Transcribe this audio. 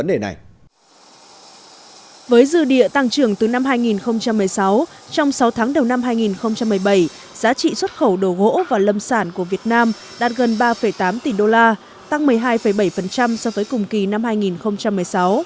với dư địa tăng trưởng từ năm hai nghìn một mươi sáu trong sáu tháng đầu năm hai nghìn một mươi bảy giá trị xuất khẩu đồ gỗ và lâm sản của việt nam đạt gần ba tám tỷ đô la tăng một mươi hai bảy so với cùng kỳ năm hai nghìn một mươi sáu